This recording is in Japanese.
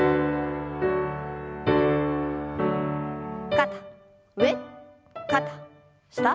肩上肩下。